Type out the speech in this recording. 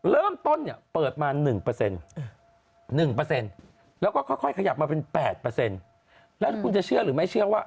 เริ่มต้นเนี่ยเปิดมา๑๑แล้วก็ค่อยขยับมาเป็น๘แล้วคุณจะเชื่อหรือไม่เชื่อว่า